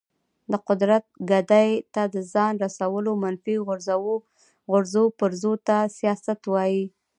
د قدرت ګدۍ ته د ځان رسولو منفي غورځو پرځو ته سیاست وایي.